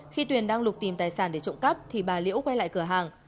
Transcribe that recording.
khi tuyền đang lục tìm tài sản để trộm cắp thì bà liễu quay lại cửa hàng